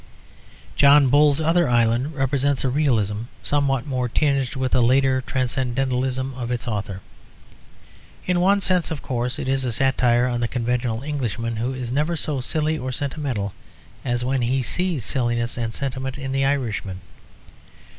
John Bull's Other Island represents a realism somewhat more tinged with the later transcendentalism of its author. In one sense, of course, it is a satire on the conventional Englishman, who is never so silly or sentimental as when he sees silliness and sentiment in the Irishman.